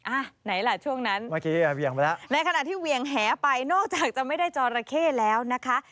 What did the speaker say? อ่าไหนล่ะช่วงนั้นในขณะที่เวียงแหลไปนอกจากจะไม่ได้จรเข้แล้วนะคะ